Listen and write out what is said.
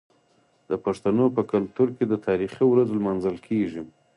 د پښتنو په کلتور کې د تاریخي ورځو لمانځل کیږي.